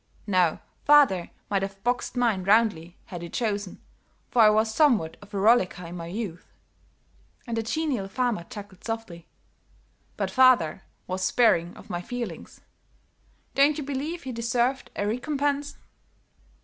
Now, father might have boxed mine roundly, had he chosen, for I was somewhat of a rollicker in my youth," and the genial farmer chuckled softly, "but father was sparing of my feelings. Don't you believe he deserved a recompense?"